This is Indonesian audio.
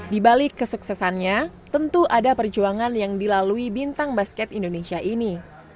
di balik kesuksesannya tentu ada perjuangan yang dilalui bintang basket indonesia ini